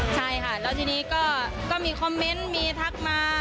ใช่ค่ะแล้วทีนี้ก็มีคอมเมนต์มีทักมา